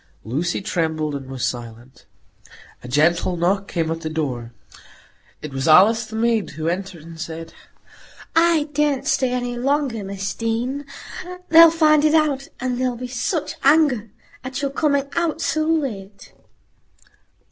Lucy trembled and was silent. A gentle knock came at the door. It was Alice, the maid, who entered and said,— "I daren't stay any longer, Miss Deane. They'll find it out, and there'll be such anger at your coming out so late."